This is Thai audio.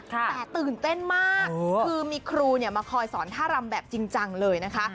แต่ตื่นเต้นมากคือมีครูมาคอยสอนท่ารำแบบจริงจังเลยนะคะ